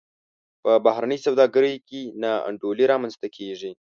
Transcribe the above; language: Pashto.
په بهرنۍ سوداګرۍ کې نا انډولي رامنځته کیږي.